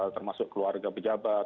termasuk keluarga pejabat